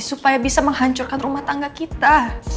supaya bisa menghancurkan rumah tangga kita